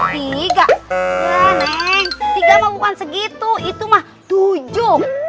tiga neng tiga mah bukan segitu itu mah tujuh